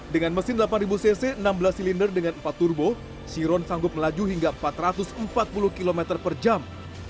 dengan mesin delapan cc enam belas silinder dengan empat turbo chiron sanggup melaju hingga empat ratus empat puluh km per jam